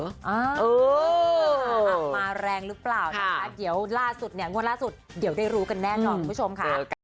อ่ามาแรงหรือเปล่านะคะเดี๋ยวล่าสุดเนี่ยงวดล่าสุดเดี๋ยวได้รู้กันแน่นอนคุณผู้ชมค่ะ